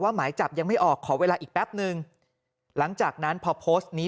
หมายจับยังไม่ออกขอเวลาอีกแป๊บนึงหลังจากนั้นพอโพสต์นี้